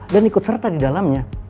dan ikut serta di dalamnya